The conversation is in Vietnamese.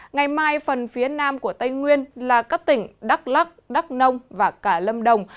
ngày mai phần phía nam của tây nguyên là các tỉnh đắk lắc đắk nông và cả lâm đồng